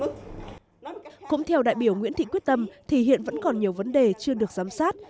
cũng theo đại biểu nguyễn thị quyết tâm thì hiện vẫn còn nhiều vấn đề chưa được giám sát